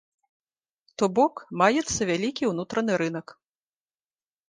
То бок маецца вялікі ўнутраны рынак.